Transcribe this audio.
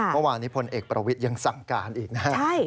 เมื่อวานนี้พลเอกประวิทย์ยังสั่งการอีกนะครับ